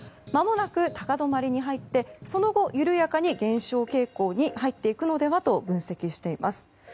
まもなく高止まりに入ってその後、緩やかに減少傾向に入っていくのではと分析しています。